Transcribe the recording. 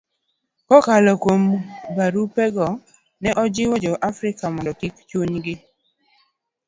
Kokalo kuom barupego, ne ojiwo Jo-Afrika mondo kik chunygi